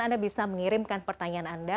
anda bisa mengirimkan pertanyaan anda